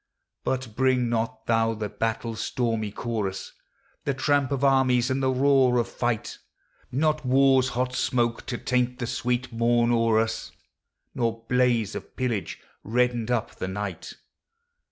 But bring not thou the battle's stormy chorus, The tramp of armies, and the roar of tight, Not war's hot smoke to taint the sweet morn o'er us Nor blaze of pillage, reddening up the night.